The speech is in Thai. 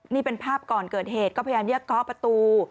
นี่เป็นภาพก่อนเกิดเหตุก็พยายามเรียกเคาะประตู